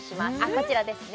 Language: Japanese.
こちらですね